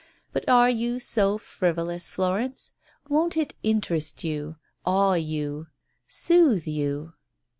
... But are you so frivolous, Florence? Won't it interest you — awe you — soothe you?